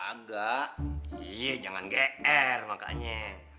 agak iya jangan gr makanya